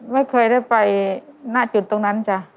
ไม่เคยได้ไปหน้าจุดตรงนั้นจ้ะ